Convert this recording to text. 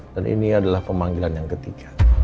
dan ini adalah pemanggilan yang ketiga